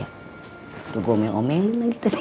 aduh gomel omelan gitu